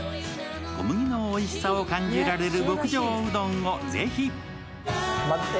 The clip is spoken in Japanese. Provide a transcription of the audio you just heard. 小麦のおいしさを感じられる極上うどんをぜひ。